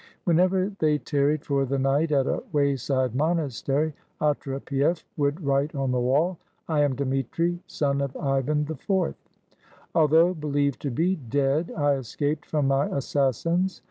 Whenever they tarried for the night at a wayside monastery, Otrepief would write on the wall, "I am Dmitri, son of Ivan IV. Although believed to be dead, I escaped from my assassins.